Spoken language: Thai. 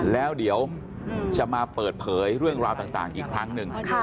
แล้วเดี๋ยวจะมาเปิดเผยเรื่องราวต่างอีกครั้งหนึ่ง